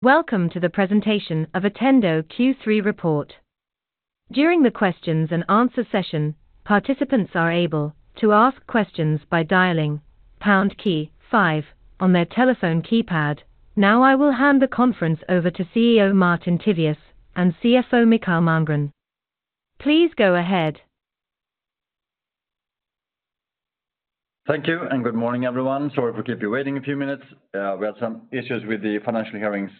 Welcome to the presentation of Attendo Q3 report. During the questions and answer session, participants are able to ask questions by dialing pound key five on their telephone keypad. Now I will hand the conference over to CEO Martin Tivéus and CFO Mikael Malmgren. Please go ahead. Thank you, and good morning, everyone. Sorry for keep you waiting a few minutes. We had some issues with the Financial Hearings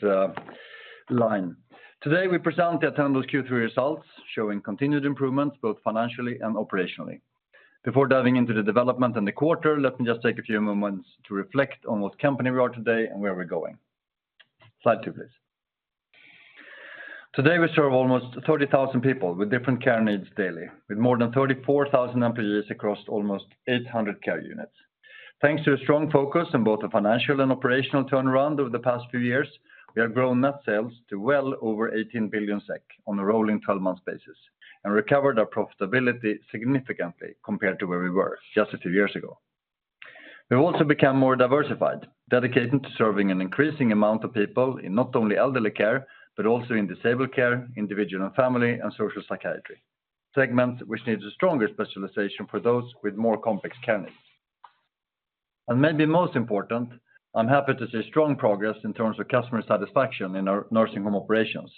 line. Today, we present the Attendo Q3 results, showing continued improvements, both financially and operationally. Before diving into the development in the quarter, let me just take a few moments to reflect on what company we are today and where we're going. Slide two, please. Today, we serve almost 30,000 people with different care needs daily, with more than 34,000 employees across almost 800 care units. Thanks to a strong focus on both the financial and operational turnaround over the past few years, we have grown net sales to well over 18 billion SEK on a rolling 12-month basis, and recovered our profitability significantly compared to where we were just a few years ago. We've also become more diversified, dedicated to serving an increasing amount of people in not only elderly care, but also in disabled care, individual and family, and social psychiatry. Segments which needs a stronger specialization for those with more complex care needs. And maybe most important, I'm happy to see strong progress in terms of customer satisfaction in our nursing home operations.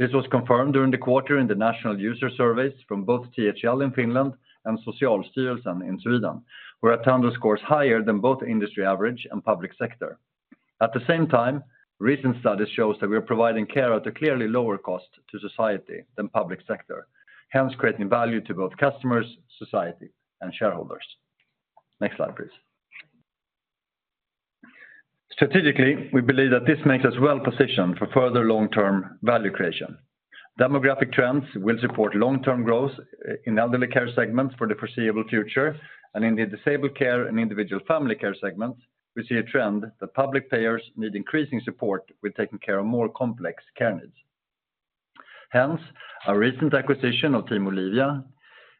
This was confirmed during the quarter in the national user surveys from both THL in Finland and Socialstyrelsen in Sweden, where Attendo scores higher than both industry average and public sector. At the same time, recent studies shows that we are providing care at a clearly lower cost to society than public sector, hence creating value to both customers, society, and shareholders. Next slide, please. Strategically, we believe that this makes us well-positioned for further long-term value creation. Demographic trends will support long-term growth in elderly care segments for the foreseeable future, and in the disabled care and individual family care segments, we see a trend that public players need increasing support with taking care of more complex care needs. Hence, our recent acquisition of Team Olivia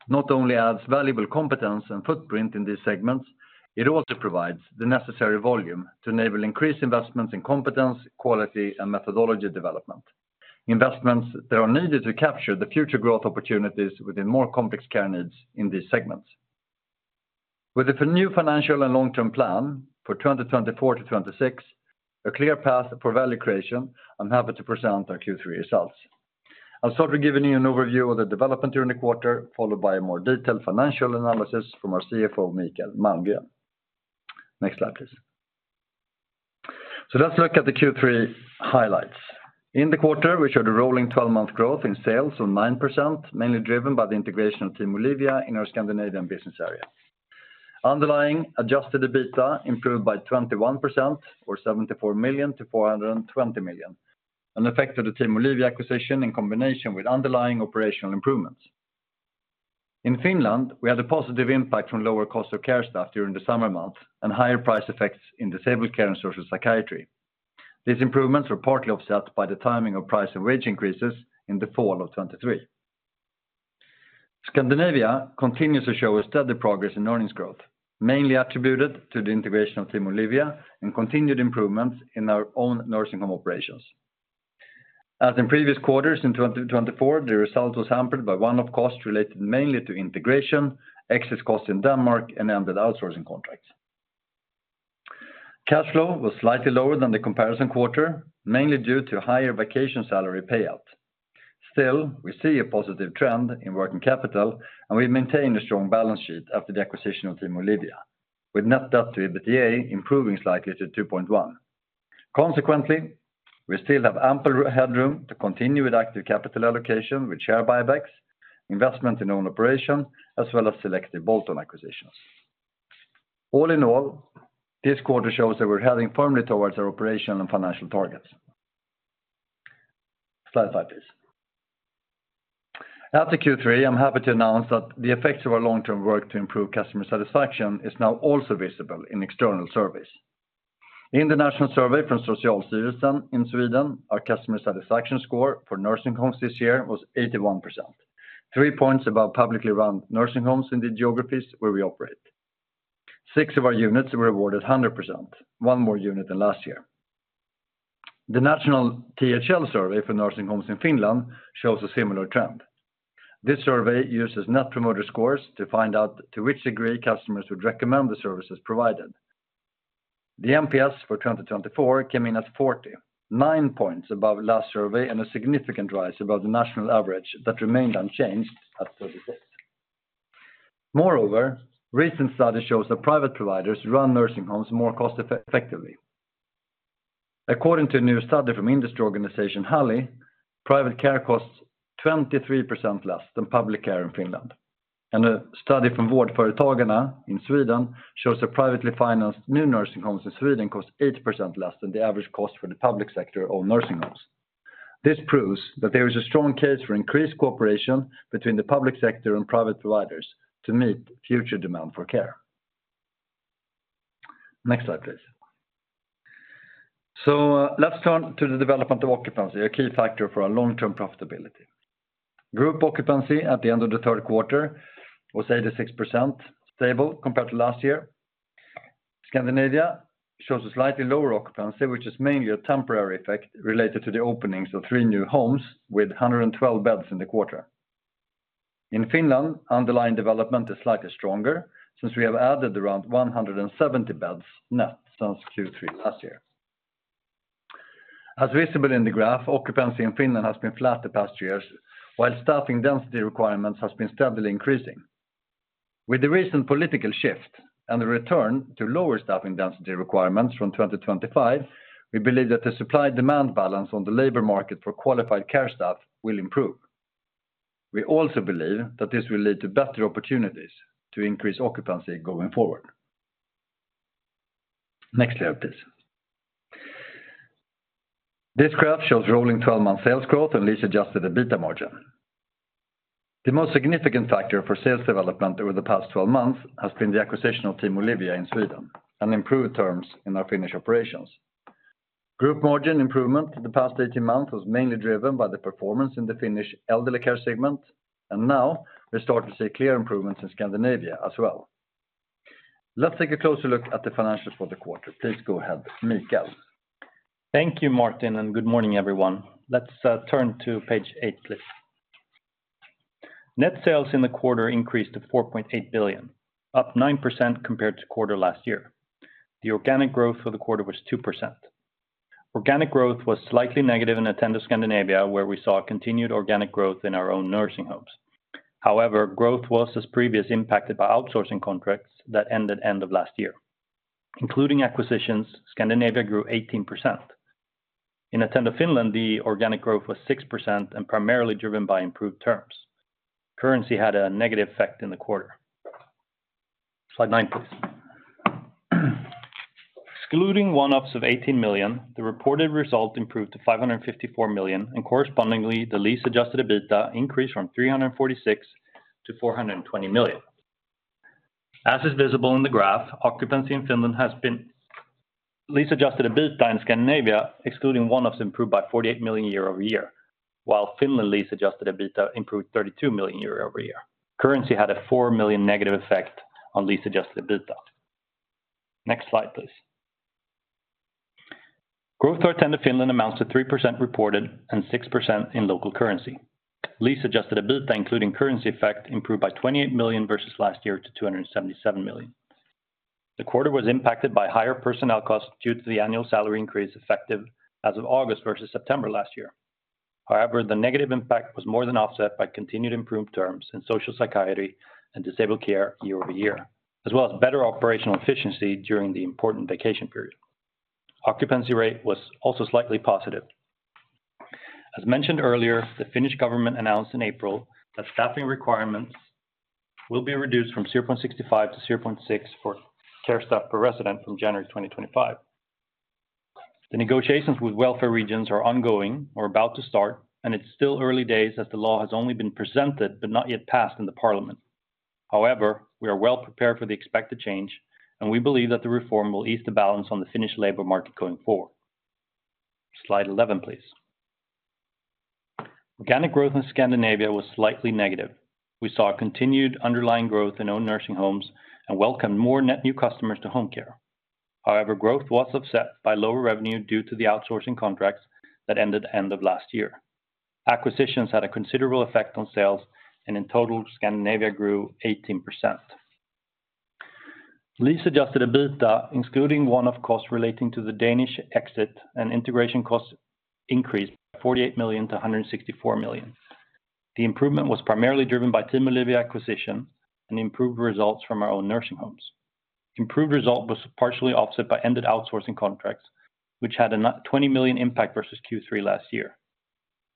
not only adds valuable competence and footprint in these segments, it also provides the necessary volume to enable increased investments in competence, quality, and methodology development. Investments that are needed to capture the future growth opportunities within more complex care needs in these segments. With a new financial and long-term plan for twenty twenty-four to twenty-six, a clear path for value creation, I'm happy to present our Q3 results. I'll start by giving you an overview of the development during the quarter, followed by a more detailed financial analysis from our CFO, Mikael Malmgren. Next slide, please. Let's look at the Q3 highlights. In the quarter, we showed a rolling twelve-month growth in sales of 9%, mainly driven by the integration of Team Olivia in our Scandinavian business area. Underlying adjusted EBITDA improved by 21% or 74 million to 420 million, an effect of the Team Olivia acquisition in combination with underlying operational improvements. In Finland, we had a positive impact from lower cost of care staff during the summer months and higher price effects in disabled care and social psychiatry. These improvements were partly offset by the timing of price and wage increases in the fall of 2023. Scandinavia continues to show a steady progress in earnings growth, mainly attributed to the integration of Team Olivia and continued improvements in our own nursing home operations. As in previous quarters, in twenty twenty-four, the result was hampered by one-off costs related mainly to integration, excess costs in Denmark, and ended outsourcing contracts. Cash flow was slightly lower than the comparison quarter, mainly due to higher vacation salary payout. Still, we see a positive trend in working capital, and we maintain a strong balance sheet after the acquisition of Team Olivia, with net debt to EBITDA improving slightly to 2.1. Consequently, we still have ample headroom to continue with active capital allocation, with share buybacks, investment in own operation, as well as selective bolt-on acquisitions. All in all, this quarter shows that we're heading firmly towards our operational and financial targets. Slide five, please. After Q3, I'm happy to announce that the effects of our long-term work to improve customer satisfaction is now also visible in external surveys. In the national survey from Socialstyrelsen in Sweden, our customer satisfaction score for nursing homes this year was 81%, three points above publicly run nursing homes in the geographies where we operate. Six of our units were awarded 100%, one more unit than last year. The national THL survey for nursing homes in Finland shows a similar trend. This survey uses net promoter scores to find out to which degree customers would recommend the services provided. The NPS for 2024 came in as 40, nine points above last survey and a significant rise above the national average that remained unchanged at 36. Moreover, recent study shows that private providers run nursing homes more cost-effectively. According to a new study from industry organization, Hali, private care costs 23% less than public care in Finland, and a study from Vårdföretagarna in Sweden shows that privately financed new nursing homes in Sweden costs 8% less than the average cost for the public sector or nursing homes. This proves that there is a strong case for increased cooperation between the public sector and private providers to meet future demand for care. Next slide, please. Let's turn to the development of occupancy, a key factor for our long-term profitability. Group occupancy at the end of the third quarter was 86%, stable compared to last year. Scandinavia shows a slightly lower occupancy, which is mainly a temporary effect related to the openings of three new homes with 112 beds in the quarter. In Finland, underlying development is slightly stronger, since we have added around one hundred and seventy beds net since Q3 last year. As visible in the graph, occupancy in Finland has been flat the past years, while staffing density requirements has been steadily increasing. With the recent political shift and the return to lower staffing density requirements from twenty twenty-five, we believe that the supply-demand balance on the labor market for qualified care staff will improve. We also believe that this will lead to better opportunities to increase occupancy going forward. Next slide, please. This graph shows rolling twelve-month sales growth and lease-adjusted EBITDA margin. The most significant factor for sales development over the past twelve months has been the acquisition of Team Olivia in Sweden and improved terms in our Finnish operations. Group margin improvement for the past eighteen months was mainly driven by the performance in the Finnish elderly care segment, and now we start to see clear improvements in Scandinavia as well. Let's take a closer look at the financials for the quarter. Please go ahead, Mikael. Thank you, Martin, and good morning, everyone. Let's turn to page eight, please. Net sales in the quarter increased to 4.8 billion, up 9% compared to quarter last year. The organic growth for the quarter was 2%. Organic growth was slightly negative in Attendo Scandinavia, where we saw continued organic growth in our own nursing homes. However, growth was as previously impacted by outsourcing contracts that ended end of last year. Including acquisitions, Scandinavia grew 18%. In Attendo Finland, the organic growth was 6% and primarily driven by improved terms. Currency had a negative effect in the quarter. Slide nine, please. Excluding one-offs of 18 million, the reported result improved to 554 million, and correspondingly, the lease-adjusted EBITDA increased from 346 to 420 million. As is visible in the graph, lease-adjusted EBITDA in Scandinavia, excluding one-offs, improved by 48 million year over year, while Finland lease-adjusted EBITDA improved 32 million year over year. Currency had a 4 million negative effect on lease-adjusted EBITDA. Next slide, please. Growth for Attendo Finland amounts to 3% reported and 6% in local currency. Lease-adjusted EBITDA, including currency effect, improved by 28 million versus last year to 277 million. The quarter was impacted by higher personnel costs due to the annual salary increase, effective as of August versus September last year. However, the negative impact was more than offset by continued improved terms in social psychiatry and disabled care year over year, as well as better operational efficiency during the important vacation period. Occupancy rate was also slightly positive. As mentioned earlier, the Finnish government announced in April that staffing requirements will be reduced from 0.65 to 0.6 for care staff per resident from January 2025. The negotiations with welfare regions are ongoing or about to start, and it's still early days as the law has only been presented but not yet passed in the parliament. However, we are well prepared for the expected change, and we believe that the reform will ease the balance on the Finnish labor market going forward. Slide 11, please. Organic growth in Scandinavia was slightly negative. We saw continued underlying growth in own nursing homes and welcomed more net new customers to home care. However, growth was offset by lower revenue due to the outsourcing contracts that ended end of last year. Acquisitions had a considerable effect on sales, and in total, Scandinavia grew 18%. Lease-adjusted EBITDA, including one-off costs relating to the Danish exit and integration costs, increased from 48 million SEK to 164 million SEK. The improvement was primarily driven by Team Olivia acquisition and improved results from our own nursing homes. Improved result was partially offset by ended outsourcing contracts, which had a negative 20 million SEK impact versus Q3 last year.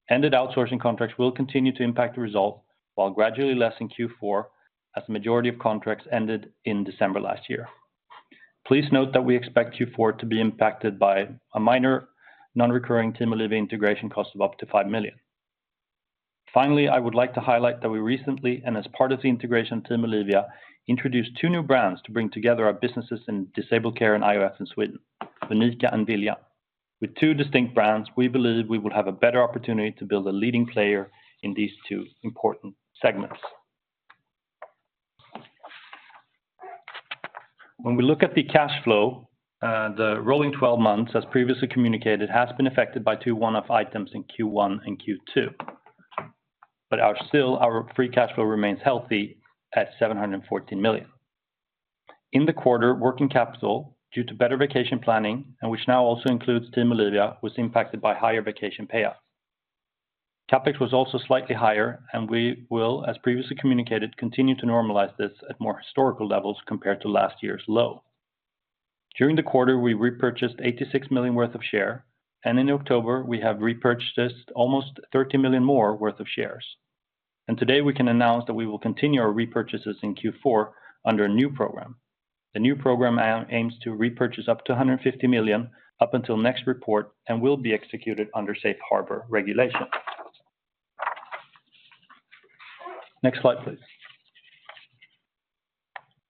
Ended outsourcing contracts will continue to impact the result, while gradually less in Q4, as the majority of contracts ended in December last year. Please note that we expect Q4 to be impacted by a minor non-recurring Team Olivia integration cost of up to 5 million SEK. Finally, I would like to highlight that we recently, and as part of the integration of Team Olivia, introduced two new brands to bring together our businesses in disabled care and IOF in Sweden, Unika and Vilja. With two distinct brands, we believe we will have a better opportunity to build a leading player in these two important segments. When we look at the cash flow, the rolling twelve months, as previously communicated, has been affected by two one-off items in Q1 and Q2, but still, our free cash flow remains healthy at 714 million. In the quarter, working capital, due to better vacation planning, and which now also includes Team Olivia, was impacted by higher vacation payoffs. CapEx was also slightly higher, and we will, as previously communicated, continue to normalize this at more historical levels compared to last year's low. During the quarter, we repurchased 86 million worth of share, and in October, we have repurchased almost 30 million more worth of shares, and today, we can announce that we will continue our repurchases in Q4 under a new program. The new program aims to repurchase up to 150 million up until next report and will be executed under safe harbor regulation. Next slide, please.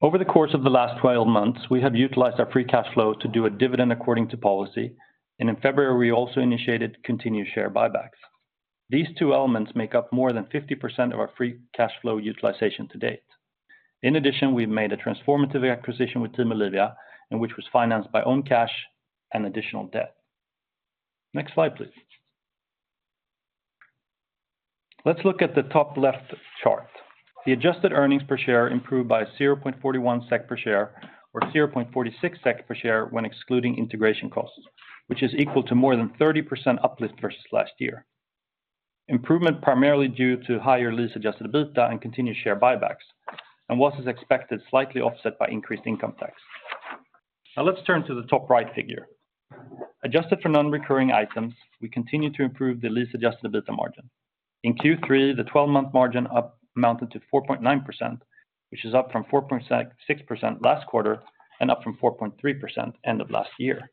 Over the course of the last twelve months, we have utilized our free cash flow to do a dividend according to policy, and in February, we also initiated continued share buybacks. These two elements make up more than 50% of our free cash flow utilization to date. In addition, we've made a transformative acquisition with Team Olivia, and which was financed by own cash and additional debt. Next slide, please. Let's look at the top left chart. The adjusted earnings per share improved by 0.41 SEK per share, or 0.46 SEK per share when excluding integration costs, which is equal to more than 30% uplift versus last year. Improvement primarily due to higher lease-adjusted EBITDA and continued share buybacks, and what is expected, slightly offset by increased income tax. Now let's turn to the top right figure. Adjusted for non-recurring items, we continue to improve the lease-adjusted EBITDA margin. In Q3, the twelve-month margin up amounted to 4.9%, which is up from 4.6% last quarter and up from 4.3% end of last year.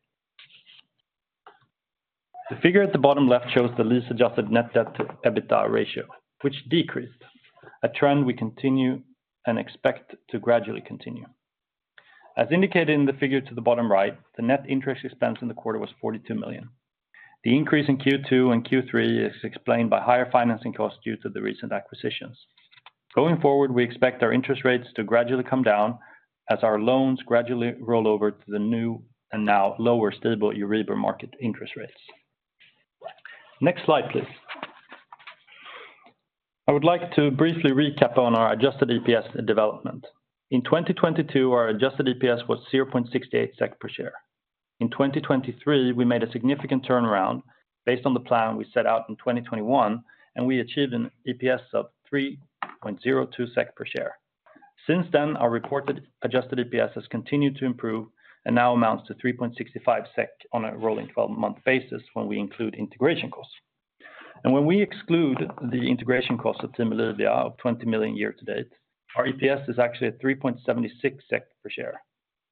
The figure at the bottom left shows the lease-adjusted net debt to EBITDA ratio, which decreased, a trend we continue and expect to gradually continue. As indicated in the figure to the bottom right, the net interest expense in the quarter was 42 million. The increase in Q2 and Q3 is explained by higher financing costs due to the recent acquisitions. Going forward, we expect our interest rates to gradually come down as our loans gradually roll over to the new and now lower stable Euribor market interest rates. Next slide, please. I would like to briefly recap on our adjusted EPS development. In 2022, our adjusted EPS was 0.68 SEK per share. In 2023, we made a significant turnaround based on the plan we set out in 2021, and we achieved an EPS of 3.02 SEK per share. Since then, our reported adjusted EPS has continued to improve and now amounts to 3.65 SEK on a rolling twelve-month basis when we include integration costs, and when we exclude the integration cost of Team Olivia of 20 million year to date, our EPS is actually at 3.76 SEK per share.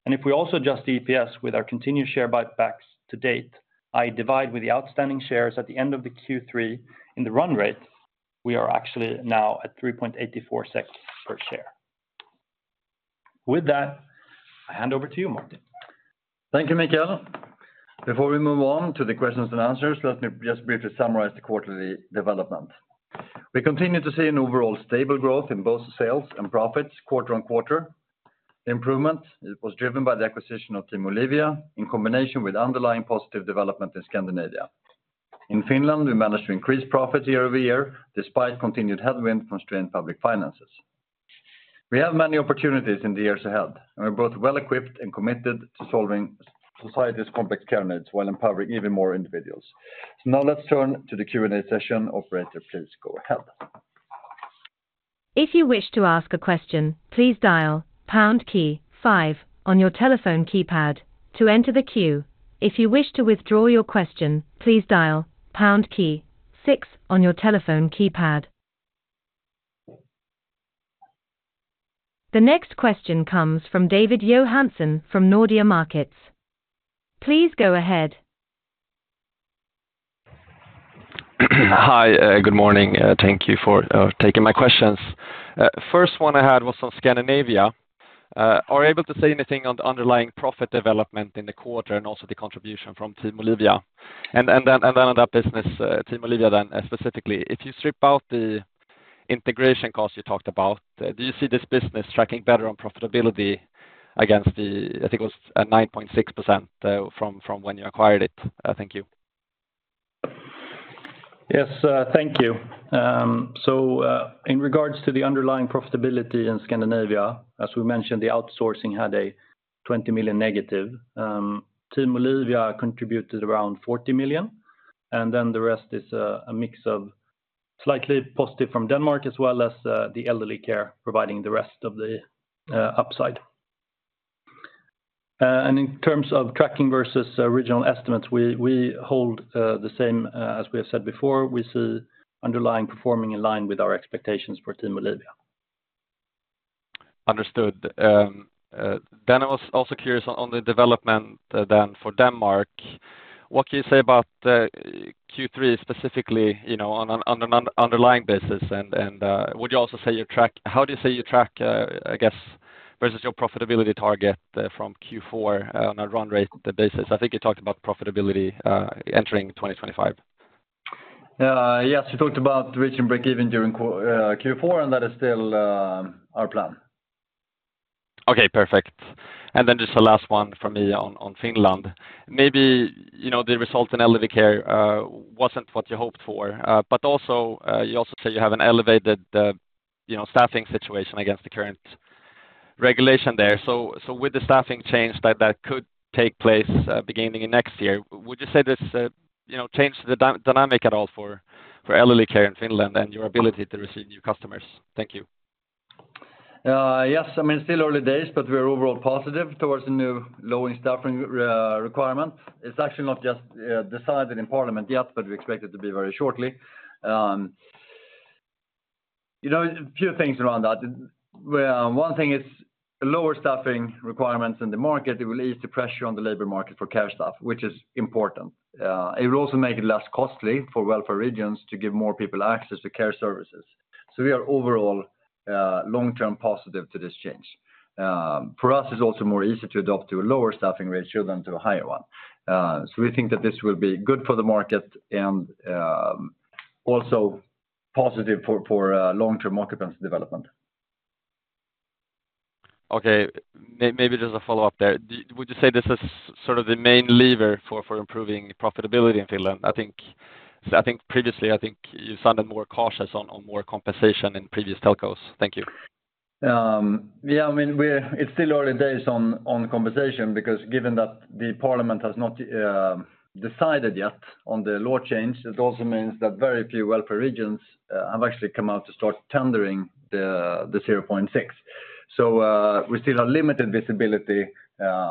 If we also adjust the EPS with our continued share buybacks to date, I divide with the outstanding shares at the end of the Q3 in the run rate, we are actually now at 3.84 SEK per share. With that, I hand over to you, Martin. Thank you, Mikael. Before we move on to the questions and answers, let me just briefly summarize the quarterly development. We continue to see an overall stable growth in both sales and profits quarter on quarter. Improvement, it was driven by the acquisition of Team Olivia, in combination with underlying positive development in Scandinavia. In Finland, we managed to increase profits year over year, despite continued headwind constrained public finances. We have many opportunities in the years ahead, and we're both well-equipped and committed to solving society's complex care needs while empowering even more individuals. So now let's turn to the Q&A session. Operator, please go ahead. If you wish to ask a question, please dial pound key five on your telephone keypad to enter the queue. If you wish to withdraw your question, please dial pound key six on your telephone keypad. The next question comes from David Johansson with Nordea Markets. Hi, good morning. Thank you for taking my questions. First one I had was on Scandinavia. Are you able to say anything on the underlying profit development in the quarter and also the contribution from Team Olivia? And then on that business, Team Olivia, then specifically, if you strip out the integration costs you talked about, do you see this business tracking better on profitability against the, I think it was at 9.6%, from when you acquired it? Thank you. Yes, thank you. So, in regards to the underlying profitability in Scandinavia, as we mentioned, the outsourcing had a 20 million negative. Team Olivia contributed around 40 million, and then the rest is a mix of slightly positive from Denmark, as well as the elderly care providing the rest of the upside. In terms of tracking versus original estimates, we hold the same as we have said before. We see underlying performing in line with our expectations for Team Olivia. Understood. Um, uh, then I was also curious on the development, uh, then for Denmark. What can you say about, uh, Q3 specifically, you know, on an under- underlying basis? And, and, uh, would you also say you track-- how do you say you track, uh, I guess, versus your profitability target, uh, from Q4, uh, on a run rate basis? I think you talked about profitability, uh, entering twenty twenty-five. Yes, we talked about reaching break-even during Q4, and that is still our plan. Okay, perfect. And then just the last one from me on Finland. Maybe, you know, the results in elderly care wasn't what you hoped for, but also you also say you have an elevated, you know, staffing situation against the current regulation there. So with the staffing change that could take place beginning in next year, would you say this, you know, changed the dynamic at all for elderly care in Finland and your ability to receive new customers? Thank you. Yes, I mean, still early days, but we are overall positive towards the new low in staffing requirement. It's actually not just decided in parliament yet, but we expect it to be very shortly. You know, a few things around that. Well, one thing is the lower staffing requirements in the market, it will ease the pressure on the labor market for care staff, which is important. It will also make it less costly for welfare regions to give more people access to care services. So we are overall long-term positive to this change. For us, it's also more easy to adopt to a lower staffing ratio than to a higher one. So we think that this will be good for the market and also positive for long-term occupancy development. Okay, maybe just a follow-up there. Would you say this is sort of the main lever for improving profitability in Finland? I think so, I think previously, I think you sounded more cautious on more compensation in previous calls. Thank you. Yeah, I mean, it's still early days on compensation, because given that the parliament has not decided yet on the law change, it also means that very few welfare regions have actually come out to start tendering the zero point six. So, we still have limited visibility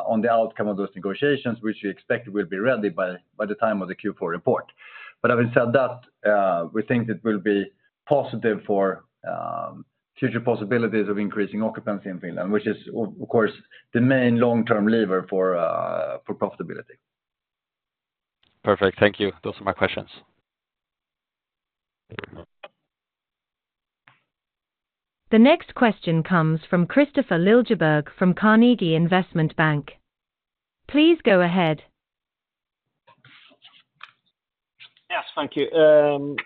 on the outcome of those negotiations, which we expect will be ready by the time of the Q4 report. But having said that, we think it will be positive for future possibilities of increasing occupancy in Finland, which is of course, the main long-term lever for profitability. Perfect. Thank you. Those are my questions. The next question comes from Kristofer Liljeberg from Carnegie Investment Bank. Please go ahead. Yes, thank you.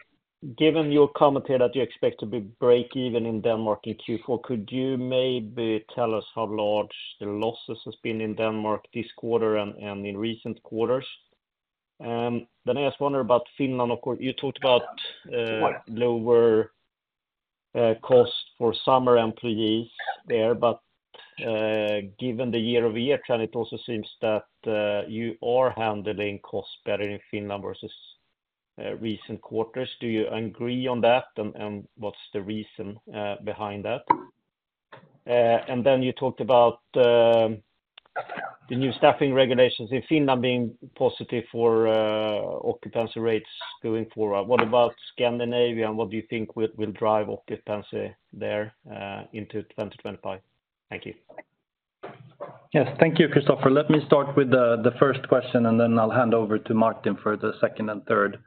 Given your comment here that you expect to be break even in Denmark in Q4, could you maybe tell us how large the losses has been in Denmark this quarter and in recent quarters? Then I just wonder about Finland, of course, you talked about lower cost for summer employees there, but given the year-over-year trend, it also seems that you are handling costs better in Finland versus recent quarters. Do you agree on that? And what's the reason behind that? And then you talked about the new staffing regulations in Finland being positive for occupancy rates going forward. What about Scandinavia? And what do you think will drive occupancy there into twenty twenty-five? Thank you. Yes, thank you, Christopher. Let me start with the first question, and then I'll hand over to Martin for the second and third.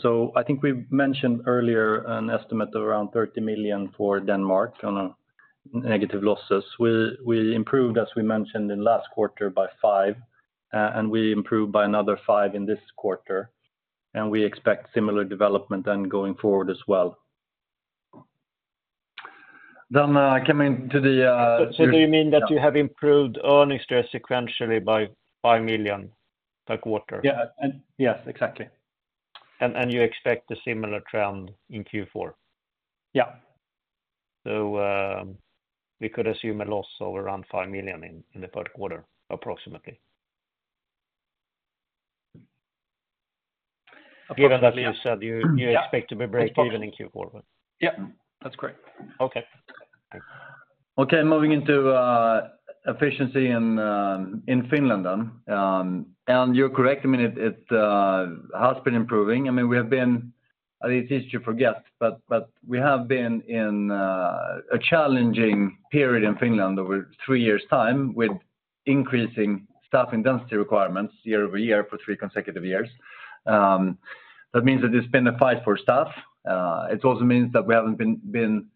So I think we mentioned earlier an estimate of around 30 million for Denmark on a negative losses. We improved, as we mentioned in last quarter, by 5, and we improved by another 5 in this quarter, and we expect similar development then going forward as well. Then, coming to the, Do you mean that you have improved earnings there sequentially by 5 million per quarter? Yeah, and, yes, exactly. And you expect a similar trend in Q4? Yeah. We could assume a loss of around 5 million in the third quarter, approximately. Approximately, yeah. Given that you said you expect to be break even in Q4. Yeah. That's correct. Okay. Okay, moving into efficiency in Finland then. And you're correct. I mean, it has been improving. I mean, we have been. It's easy to forget, but we have been in a challenging period in Finland over three years' time, with increasing staff intensity requirements year over year for three consecutive years. That means that it's been a fight for staff. It also means that we haven't been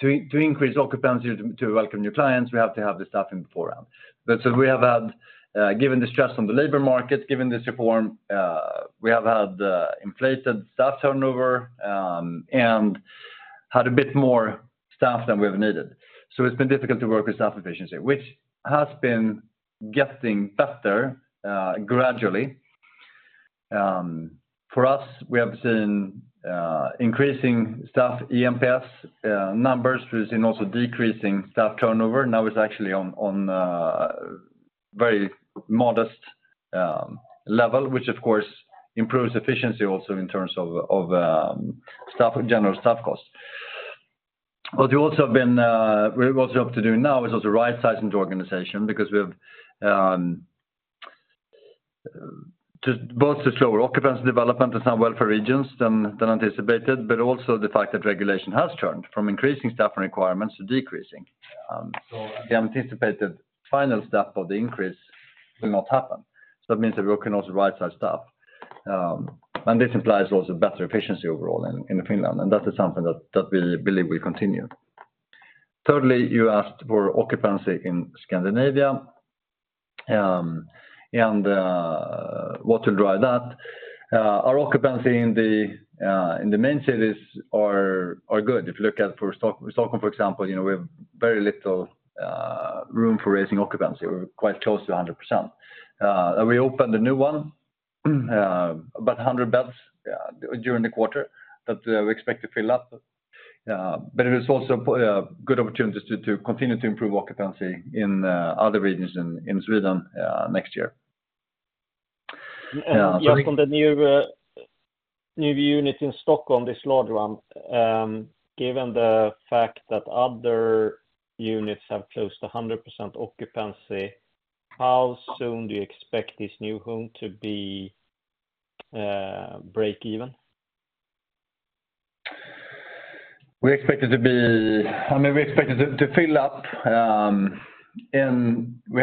to increase occupancy, to welcome new clients. We have to have the staffing beforehand. But so we have had, given the stress on the labor market, given this reform, we have had inflated staff turnover, and had a bit more staff than we have needed. So it's been difficult to work with staff efficiency, which has been getting better gradually. For us, we have seen increasing staff EMPS numbers. We've seen also decreasing staff turnover. Now it's actually on a very modest level, which, of course, improves efficiency also in terms of staff general staff costs. What we're also up to do now is also right-sizing the organization because we have just both the slower occupancy development in some welfare regions than anticipated, but also the fact that regulation has turned from increasing staffing requirements to decreasing. So the anticipated final step of the increase will not happen. That means that we can also right-size staff, and this implies also better efficiency overall in Finland, and that is something that we believe will continue. Thirdly, you asked for occupancy in Scandinavia, and what will drive that? Our occupancy in the main cities is good. If you look at for Stockholm, for example, you know, we have very little room for raising occupancy. We're quite close to 100%. We opened a new one about 100 beds during the quarter that we expect to fill up. But it is also good opportunities to continue to improve occupancy in other regions in Sweden next year. So we- Just on the new unit in Stockholm, this large one, given the fact that other units have close to 100% occupancy, how soon do you expect this new home to be break even? We expect it to be. I mean, we expect it to fill up. We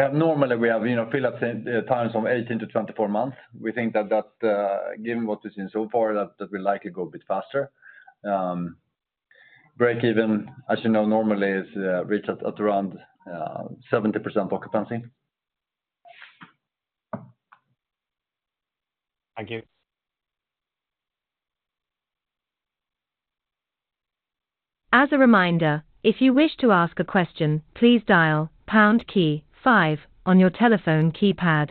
have normally, you know, fill up times from 18-24 months. We think that, given what we've seen so far, that we likely go a bit faster. Breakeven, as you know, normally is reached at around 70% occupancy. Thank you. As a reminder, if you wish to ask a question, please dial pound key five on your telephone keypad.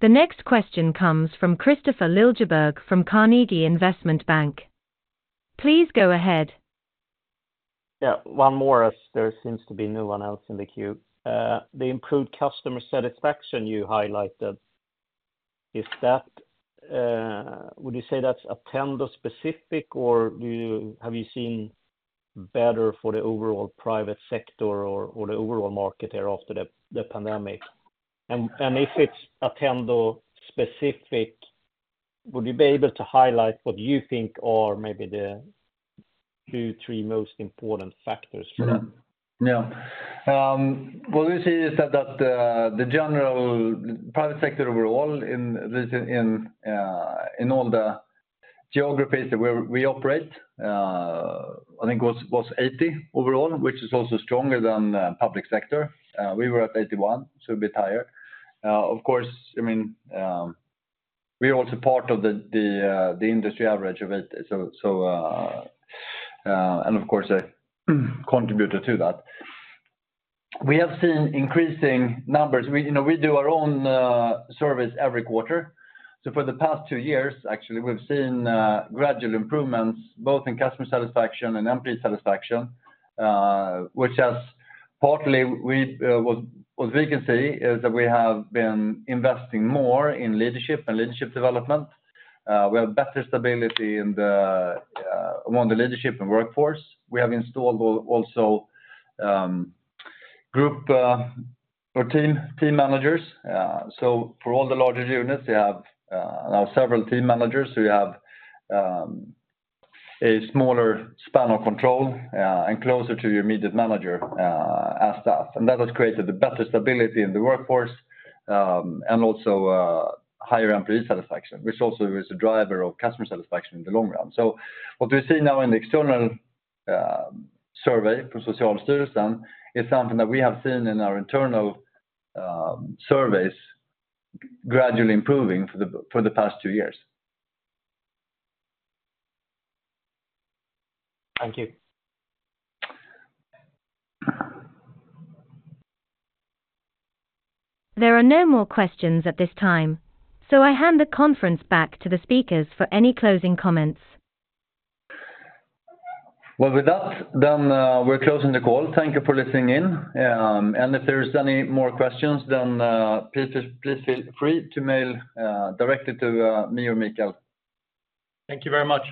The next question comes from Christopher Liljeberg from Carnegie Investment Bank. Please go ahead. Yeah, one more, as there seems to be no one else in the queue. The improved customer satisfaction you highlighted, is that, would you say that's Attendo specific, or have you seen better for the overall private sector or the overall market there after the pandemic? And if it's Attendo specific, would you be able to highlight what you think are maybe the two, three most important factors for that? Yeah. What we see is that the general private sector overall in this in all the geographies that we operate, I think was 80 overall, which is also stronger than the public sector. We were at 81, so a bit higher. Of course, I mean, we are also part of the the industry average of it. So and of course, a contributor to that. We have seen increasing numbers. We you know we do our own survey every quarter. So for the past two years, actually, we've seen gradual improvements, both in customer satisfaction and employee satisfaction, which has partly what we can see is that we have been investing more in leadership and leadership development. We have better stability among the leadership and workforce. We have installed also group or team managers. So for all the larger units, we have now several team managers. So you have a smaller span of control and closer to your immediate manager as staff. And that has created a better stability in the workforce and also higher employee satisfaction, which also is a driver of customer satisfaction in the long run. So what we see now in the external survey for Socialstyrelsen is something that we have seen in our internal surveys gradually improving for the past two years. Thank you. There are no more questions at this time, so I hand the conference back to the speakers for any closing comments. With that, then, we're closing the call. Thank you for listening in, and if there's any more questions, then, please, please feel free to mail directly to me or Mikael. Thank you very much.